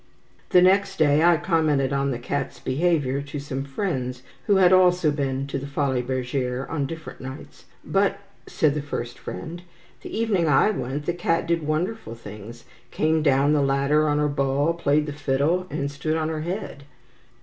The next day I commented on the cat's behaviour to some friends who had also been to the Folies Bergere on different nights. "But," said the first friend, "the evening I went, that cat did wonderful things; came down the ladder on her ball, played the fiddle, and stood on her head."